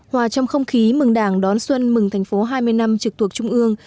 hòa trong không khí mừng đảng đón xuân mừng thành phố hai mươi năm trực thuộc trung ương